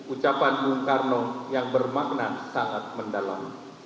ucapan bung karno yang bermakna sangat mendalam